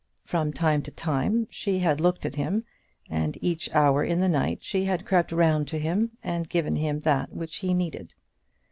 From time to time she had looked at him, and each hour in the night she had crept round to him, and given him that which he needed.